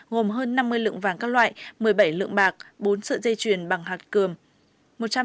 gồm hơn năm mươi lượng vàng các loại một mươi bảy lượng bạc bốn sợi dây chuyền bằng hạt cường